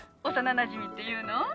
幼なじみっていうの？